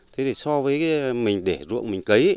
thế thì so với mình để ruộng mình cấy